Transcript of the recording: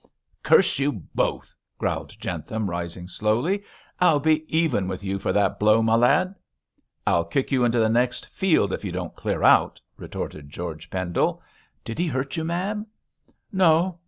'Curse you both!' growled Jentham, rising slowly. 'I'll be even with you for that blow, my lad.' 'I'll kick you into the next field if you don't clear out,' retorted George Pendle. 'Did he hurt you, Mab?' 'No!